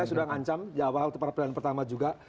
yang akan mencangkang ancam ya walaupun perpecahan pertama juga